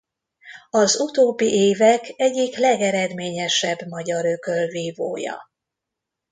Az utóbbi évek egyik legeredményesebb magyar ökölvívója.